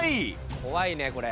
怖いねこれ。